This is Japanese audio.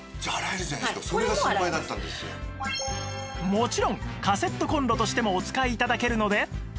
もちろんカセットコンロとしてもお使い頂けるので